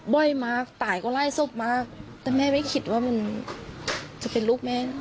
บ่อยมากตายก็ไล่ศพมากแต่แม่ไม่คิดว่ามันจะเป็นลูกแม่